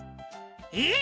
「えっ？